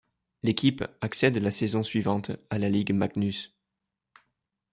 L'équipe accède la saison suivante à la Ligue Magnus.